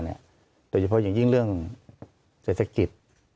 โดยเฉพาะอย่างยิ่งเรื่องเศรษฐกิจ